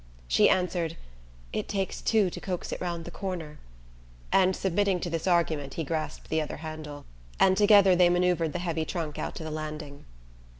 She answered: "It takes two to coax it round the corner"; and submitting to this argument he grasped the other handle, and together they manoeuvred the heavy trunk out to the landing.